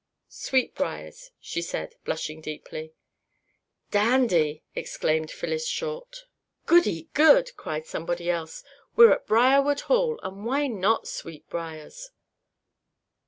"Sweetbriars," she said, blushing deeply. "Dandy!" exclaimed Phyllis Short. "Goody good!" cried somebody else. "We're at Briarwood Hall, and why not Sweetbriars?"